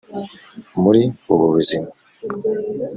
muri ubu buzima,,